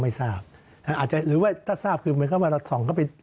อ่ะมันก็จะหลอดหลบได้